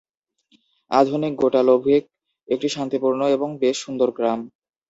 আধুনিক গোটালোভেক একটি শান্তিপূর্ণ এবং বেশ সুন্দর গ্রাম।